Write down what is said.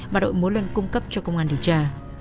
mà đội múa lân cung cấp cho công an điều tra